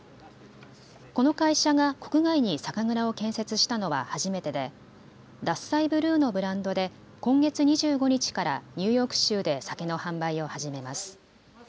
この会社が国外に酒蔵を建設したのは初めてでＤａｓｓａｉＢｌｕｅのブランドで今月２５日からニューヨーク州で酒の販売を始めます。